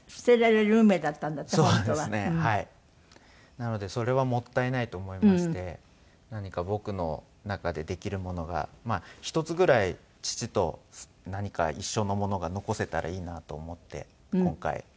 なのでそれはもったいないと思いまして何か僕の中でできるものが１つぐらい父と何か一緒のものが残せたらいいなと思って今回やりました。